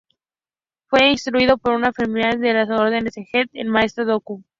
Fue instruido por una eminencia de la Orden Jedi: el Maestro Dooku.